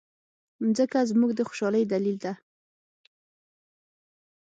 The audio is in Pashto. مځکه زموږ د خوشالۍ دلیل ده.